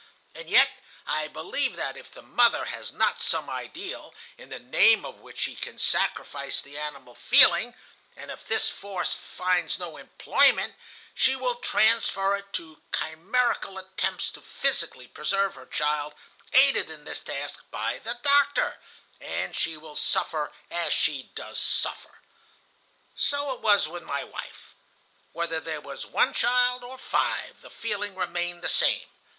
And yet I believe that, if the mother has not some ideal, in the name of which she can sacrifice the animal feeling, and if this force finds no employment, she will transfer it to chimerical attempts to physically preserve her child, aided in this task by the doctor, and she will suffer as she does suffer. "So it was with my wife. Whether there was one child or five, the feeling remained the same.